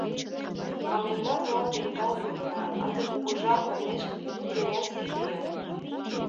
— А мемнан мланде ӱмбал юмына, ынде кугыжа олмеш Керенский лийын.